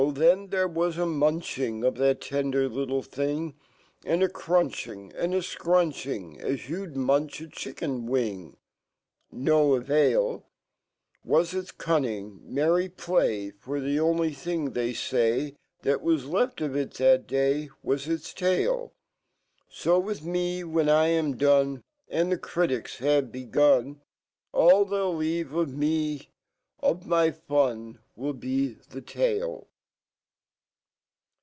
then there was a munc hi ng , Of that tender little thing, And a crunching and a (crunching. A3 you'ld munch a chicken wing No avail Was its cunning, merry play For fh0 only fhing , they fay, That was left of it that day , Wa$ it* tail. So with me , when I am done, And the critics have begun, All they'll leave me ormy fun 'LI be the tale.